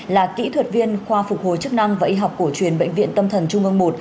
là kỹ thuật viên khoa phục hồi chức năng và y học cổ truyền bệnh viện tâm thần trung ương một